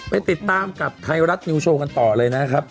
ไปติดตามกับไทยรัฐนิวโชว์กันต่อเลยนะครับ